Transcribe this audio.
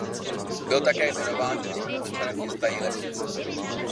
Byl také jmenován čestným občanem města Jilemnice.